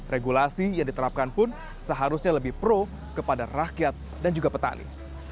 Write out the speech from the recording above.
regulasi yang diterapkan pun seharusnya lebih pro kepada rakyat dan juga petani